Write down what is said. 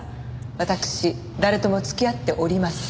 わたくし誰とも付き合っておりません。